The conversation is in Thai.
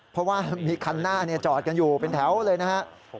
เพราะว่ามีคันหน้าจอดกันอยู่เป็นแถวเลยนะครับ